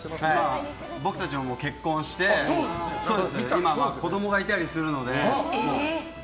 僕たちも、もう結婚して今は子供がいたりするので。